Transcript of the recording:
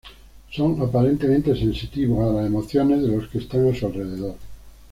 Son aparentemente sensitivos a las emociones de los que están a su alrededor.